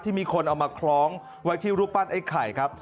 มีคนเอามาคล้องไว้ที่รูปปั้นไอ้ไข่ครับ